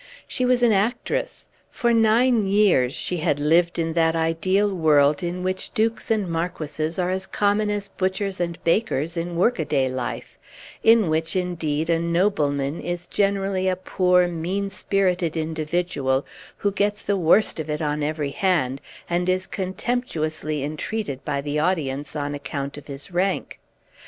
She was an actress; for nine years she had lived in that ideal world in which dukes and marquises are as common as butchers and bakers in work a day life, in which, indeed, a nobleman is generally a poor, mean spirited individual, who gets the worst of it on every hand, and is contemptuously entreated by the audience on account of his rank.